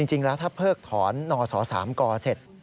จริงแล้วถ้าเพิกถอนนส๓กเสร็จ